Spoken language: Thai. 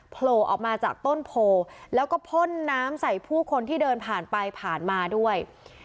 โผล่ออกมาจากต้นโพแล้วก็พ่นน้ำใส่ผู้คนที่เดินผ่านไปผ่านมาด้วย